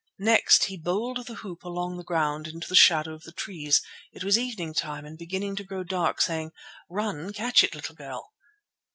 Next, he bowled the hoop along the ground into the shadow of the trees—it was evening time and beginning to grow dark—saying, 'Run, catch it, little girl!